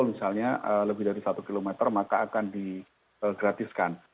misalnya lebih dari satu km maka akan digratiskan